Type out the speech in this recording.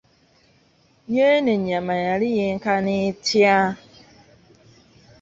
Yenno enyama yali yenkana etya!